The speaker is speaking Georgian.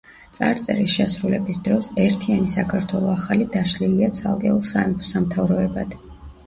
წარწერის შესრულების დროს, ერთიანი საქართველო ახალი დაშლილია ცალკეულ სამეფო-სამთავროებად.